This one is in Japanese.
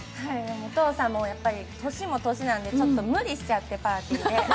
お父さんも年も年なんで、ちょっと無理しちゃって、パーティーで。